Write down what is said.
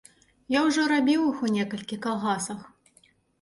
Я ўжо рабіў іх у некалькіх калгасах.